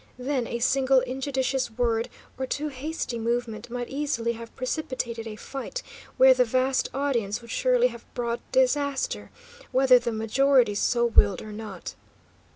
Then a single injudicious word or too hasty movement might easily have precipitated a fight, where the vast audience would surely have brought disaster, whether the majority so willed or not.